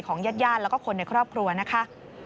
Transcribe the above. ของญาติย่านและคนในครอบครัวนะคะ